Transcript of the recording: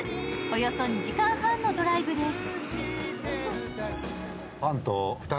およそ２時間半のドライブです。